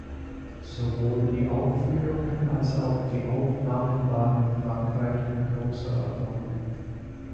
Sowohl die Aufführungen als auch die Aufnahmen waren in Frankreich ein großer Erfolg.